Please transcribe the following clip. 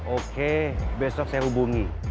oke besok saya hubungi